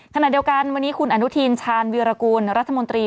ขณะเดียวกันวันนี้คุณอนุทินชาญวีรกูลรัฐมนตรี